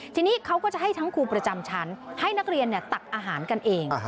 ทีนี้เขาก็จะให้ทั้งครูประจำชั้นให้นักเรียนตักอาหารกันเอง